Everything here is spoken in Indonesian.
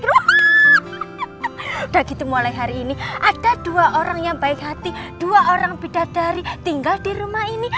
udah gitu mulai hari ini ada dua orang yang baik hati dua orang bidadari tinggal di rumah ini